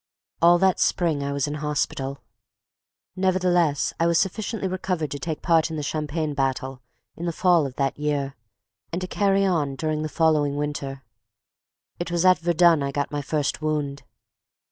All that spring I was in hospital. Nevertheless, I was sufficiently recovered to take part in the Champagne battle in the fall of that year, and to "carry on" during the following winter. It was at Verdun I got my first wound.